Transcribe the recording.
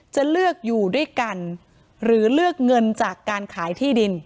จะเลือกอยู่ด้วยกันหรือเลือกเงินจากการขายที่ดิน